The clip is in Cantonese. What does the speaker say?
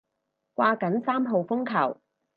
掛緊三號風球